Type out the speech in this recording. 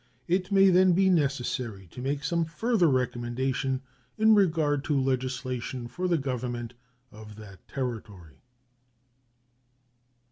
It may then be necessary to make some further recommendation in regard to legislation for the government of that Territory.